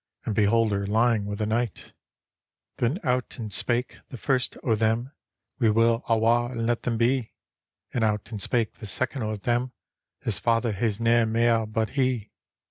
And behold her lying with a kni^tl " Then out and spake the first o' them, " We will awa' and let them be." And out and spake the second o' them, " His father has nae mair but he."